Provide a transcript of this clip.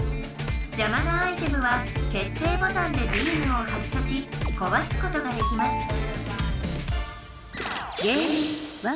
じゃまなアイテムは決定ボタンでビームを発射しこわすことができます